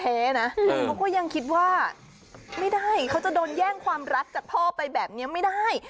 เขาก็ยังคิดว่าไม่ได้เขาจะโดนแย่งความรักจากพ่อไปแบบนี้ไม่ได้